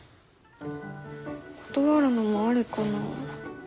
断るのもありかな。